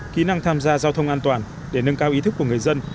kỹ năng tham gia giao thông an toàn để nâng cao ý thức của người dân